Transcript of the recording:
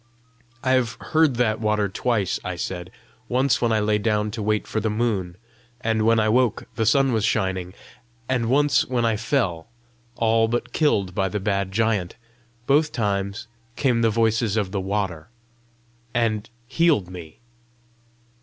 "I have heard that water twice," I said; " once when I lay down to wait for the moon and when I woke the sun was shining! and once when I fell, all but killed by the bad giant. Both times came the voices of the water, and healed me."